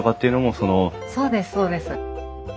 そうですそうです。